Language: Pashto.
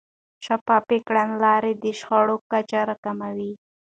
شفاف کړنلارې د شخړو کچه راکموي.